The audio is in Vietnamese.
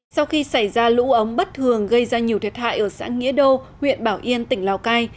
sau khi xảy ra lũ ống bất thường gây ra nhiều thiệt hại ở xã nghĩa đô huyện bảo yên tỉnh lào cai